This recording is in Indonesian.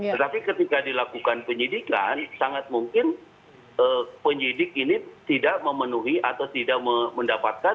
tetapi ketika dilakukan penyidikan sangat mungkin penyidik ini tidak memenuhi atau tidak mendapatkan